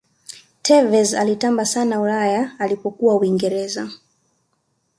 tevez alitamba sana ulaya alipokuwa uingereza